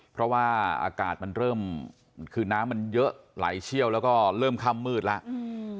เพราะว่าอากาศมันเริ่มคือน้ำมันเยอะไหลเชี่ยวแล้วก็เริ่มค่ำมืดแล้วอืม